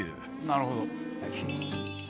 なるほど。